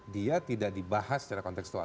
dia tidak dibahas secara konteksual